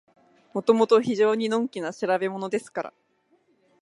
もともと非常にのんきな調べものですから、